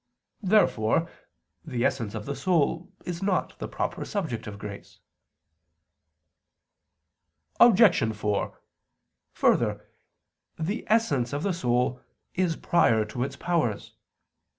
Therefore the essence of the soul is not the proper subject of grace. Obj. 4: Further, the essence of the soul is prior to its powers.